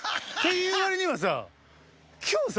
言う割にはさ今日さ